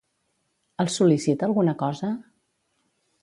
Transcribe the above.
Els sol·licita alguna cosa?